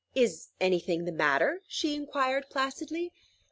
"Is any thing the matter?" she inquired placidly.